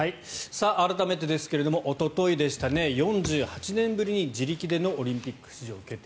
改めてですがおとといでした、４８年ぶりに自力でのオリンピック出場決定。